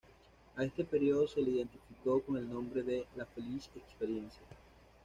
A este período se lo identificó con el nombre de "la feliz experiencia".